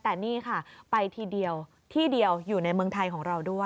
แต่นี่ค่ะไปทีเดียวที่เดียวอยู่ในเมืองไทยของเราด้วย